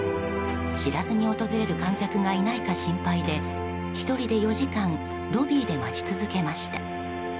知らずに訪れる観客がいないか心配で１人で４時間ロビーで待ち続けました。